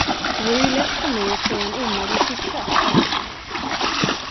Det vore ju lätt för mig att säga en omöjlig siffra, svarade hon.